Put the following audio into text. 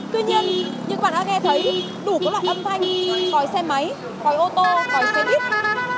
tuy nhiên những bạn đã nghe thấy đủ các loại âm thanh còi xe máy còi ô tô còi xe bít